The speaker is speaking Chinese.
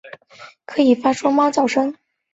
电鲇可以发出猫叫的声音。